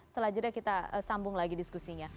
setelah jeda kita sambung lagi diskusinya